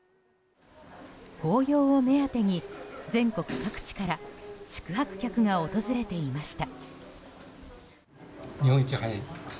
紅葉を目当てに全国各地から宿泊客が訪れていました。